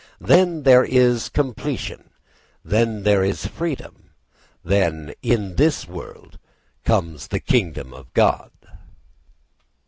Then there is completion, then there is freedom, then, in this world, comes the kingdom of God.